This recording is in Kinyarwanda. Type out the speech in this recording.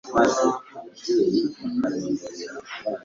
Ntugomba guterwa isoni n'ababyeyi bawe.